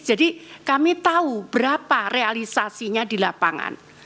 jadi kami tahu berapa realisasinya di lapangan